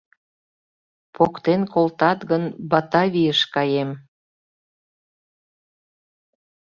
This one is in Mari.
“Поктен колтат гын, Батавийыш каем!..